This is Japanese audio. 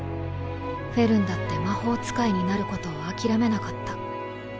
フェルンだって魔法使いになることを諦めなかった。